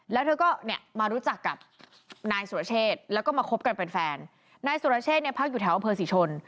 แล้วเธอก็เนี่ยมารู้จักกับนายสุรเชษแล้วก็มาคบกันเป็นแฟนนายสุรเชษเนี่ยพักอยู่แถวอำเภอศรีชน